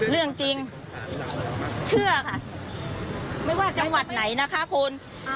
เรื่องจริงเชื่อค่ะไม่ว่าจังหวัดไหนนะคะคุณ